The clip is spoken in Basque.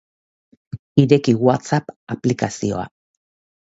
Ireki WhatsApp aplikazioa.